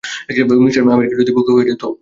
Mister America যদি বোকা হয়ে যায়, তো?